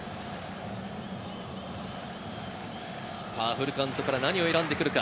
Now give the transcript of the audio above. フルカウントから何を選んでくるのか？